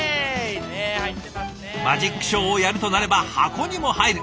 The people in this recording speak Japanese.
マジックショーをやるとなれば箱にも入る。